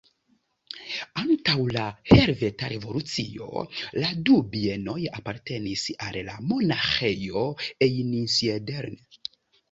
Antaŭ la Helveta Revolucio la du bienoj apartenis al la Monaĥejo Einsiedeln.